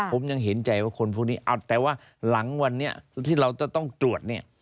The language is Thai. ผมยังเห็นใจว่าคนพวกนี้แต่ว่าหลังวันนี้ที่เราจะต้องตรวจเนี่ย